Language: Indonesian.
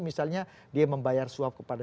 misalnya dia membayar suap kepada